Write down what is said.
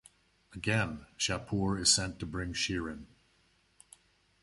Again, Shapur is sent to bring Shirin.